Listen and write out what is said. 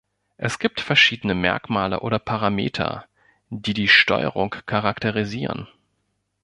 Es gibt verschiedene Merkmale oder Parameter, die die Steuerung charakterisieren.